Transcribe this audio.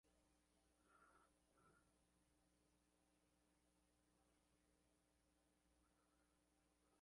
Kunan pachapiqa, aswan rimayqa castellano simim.